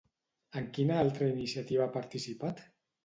En quina altra iniciativa ha participat?